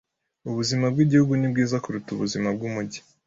Ubuzima bwigihugu ni bwiza kuruta ubuzima bwumujyi.